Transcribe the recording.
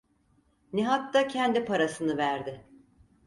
Nihat da kendi parasını verdi.